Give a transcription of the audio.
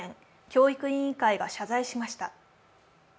教育委員会謝罪しました。